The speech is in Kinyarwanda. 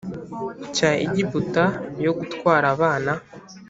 Cya egiputa yo gutwara abana